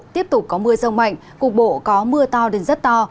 tiếp tục có mưa rông mạnh cục bộ có mưa to đến rất to